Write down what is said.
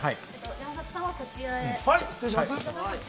山里さんはこちらへ。